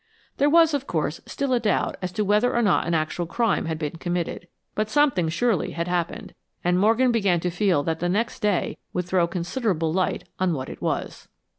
There was, of course, still a doubt as to whether or not an actual crime had been committed. But something surely had happened, and Morgan began to feel that the next day would throw considerable light on what it was.